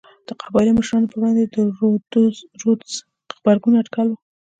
د قبایلي مشرانو پر وړاندې د رودز غبرګون اټکل و.